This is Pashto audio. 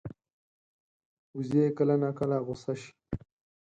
وزې کله ناکله غوسه شي